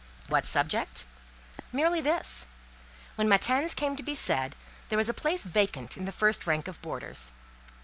What subject? Merely this. When matins came to be said, there was a place vacant in the first rank of boarders.